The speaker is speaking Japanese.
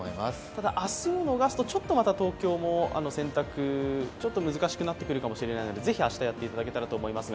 ただ、明日を逃すとまた東京も洗濯、ちょっと難しくなってくるかもしれないのでぜひ明日やっていただけたらと思います。